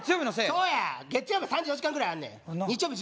そうや月曜日３４時間ぐらいあんねん日曜日